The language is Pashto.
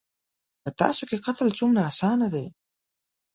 _په تاسو کې قتل څومره اسانه دی.